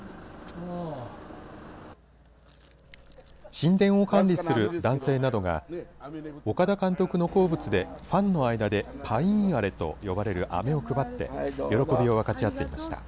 神殿を管理する男性などが岡田監督の好物でファンの間でパインアレと呼ばれるあめを配って喜びを分かち合っていました。